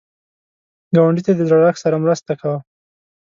ګاونډي ته د زړښت سره مرسته کوه